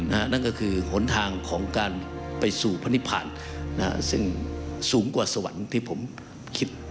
นั่นก็คือหนทางของการไปสู่พนิพานซึ่งสูงกว่าสวรรค์ที่ผมคิด